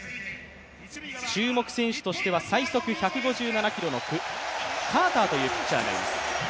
注目選手としては最速１５７キロ、カーターというピッチャーがいます。